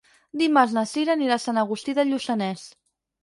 Dimarts na Cira anirà a Sant Agustí de Lluçanès.